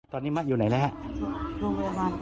ตอนนี้มะอยู่ไหนแล้วครับ